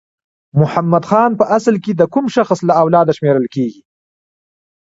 محمد خان په اصل کې د کوم شخص له اولاده شمیرل کیږي؟